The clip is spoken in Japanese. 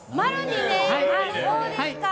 そうですか。